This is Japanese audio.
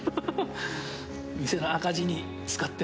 店の赤字に使って。